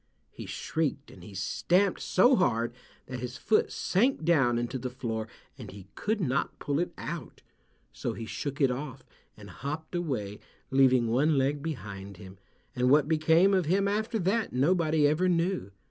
he shrieked and he stamped so hard that his foot sank down into the floor and he could not pull it out, so he shook it off and hopped away, leaving one leg behind him, and what became of him after that nobody ever knew.